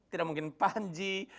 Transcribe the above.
tidak mungkin panji